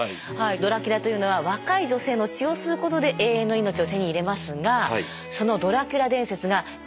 ドラキュラというのは若い女性の血を吸うことで永遠の命を手に入れますがそのドラキュラ伝説が今現実のものになろうとしているんです。